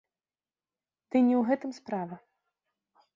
Ды і не ў гэтым справа.